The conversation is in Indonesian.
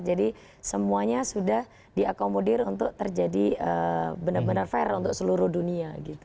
jadi semuanya sudah diakomodir untuk terjadi benar benar fair untuk seluruh dunia gitu